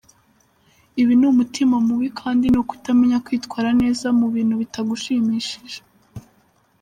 Ibi ni umutima mubi kandi ni ukutamenya kwitwara neza mu bintu bitagushimishije.